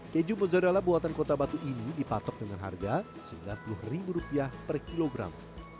keju mozzarella buatan kota batu ini dipatok dengan harga rp sembilan puluh per kilogram